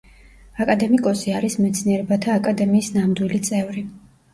აკადემიკოსი არის მეცნიერებათა აკადემიის ნამდვილი წევრი.